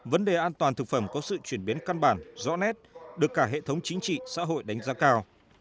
vấn đề an toàn thực phẩm có sự chuyển biến căn bản rõ nét được cả hệ thống chính trị xã hội đánh giá cao